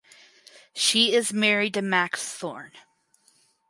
She is married to Max Thorne.